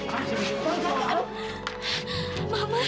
bagaimana dengan susu